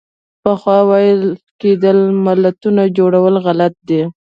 پخوا ویل کېدل ملتونو جوړول غلط دي.